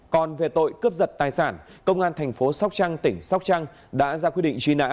còn về tội cướp giật tài sản công an thành phố sóc trăng tỉnh sóc trăng đã ra quyết định truy nã